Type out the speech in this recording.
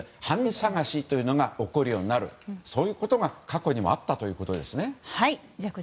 捜しというのが起こるようになるそういうことが過去にもあったということですね。